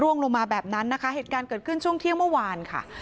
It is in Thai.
ลงมาแบบนั้นนะคะเหตุการณ์เกิดขึ้นช่วงเที่ยงเมื่อวานค่ะ